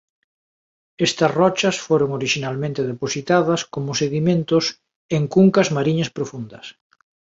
Estas rochas foran orixinalmente depositadas como sedimentos en cuncas mariñas profundas.